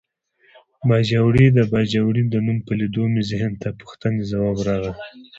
باجوړی د باجوړي د نوم په لیدو مې ذهن ته پوښتنې ځواب غوښتل.